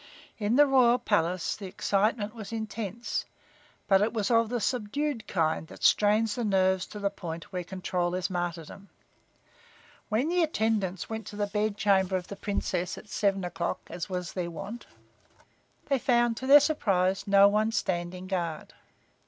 In the royal palace the excitement was intense, but it was of the subdued kind that strains the nerves to the point where control is martyrdom. When the attendants went to the bed chamber of the Princess at seven o'clock, as was their wont, they found, to their surprise, no one standing guard.